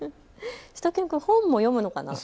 しゅと犬くん本も読むのかな。